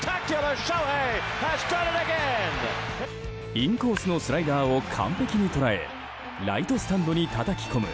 インコースのスライダーを完璧に捉えライトスタンドにたたき込む